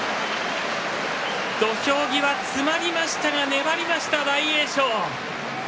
土俵際、詰まりましたが粘りました、大栄翔。